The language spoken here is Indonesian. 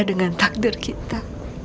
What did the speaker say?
dengan takdir kita